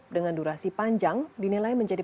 di gedung gedung ini